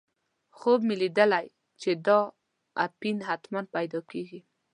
خوب مې لیدلی چې دا اپین حتماً پیدا کېږي.